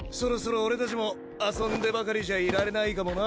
俺たちも遊んでばかりじゃいられないかもな。